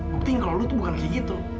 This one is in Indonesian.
buktiin kalau lu tuh bukan kayak gitu